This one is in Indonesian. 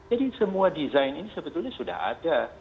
jadi semua desain ini sebetulnya sudah ada